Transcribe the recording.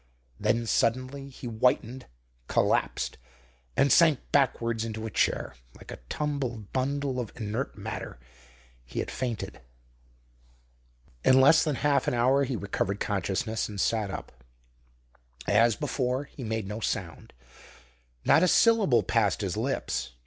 Then, suddenly, he whitened, collapsed, and sank backwards into a chair, like a tumbled bundle of inert matter. He had fainted. In less than half an hour he recovered consciousness and sat up. As before, he made no sound. Not a syllable passed his lips.